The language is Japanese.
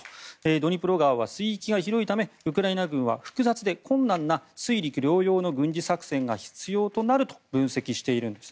ドニプロ川は水域が広いためウクライナ軍は複雑で困難な水陸両用の軍事作戦が必要となると分析しています。